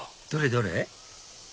どれ？